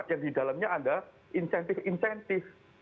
yang di dalamnya ada insentif insentif